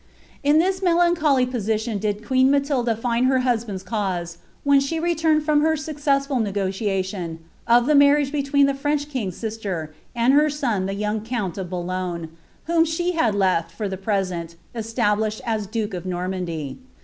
In ihi* melancholy position did queen Matilda find her husband's ruMT. when she retimied front her successful negotiation, of the luar nagc hciircen tlie Frenrh king's sister, and her son the young connt of Boahi|rne, whom slie had left, fur the present, established us duke of V onmady.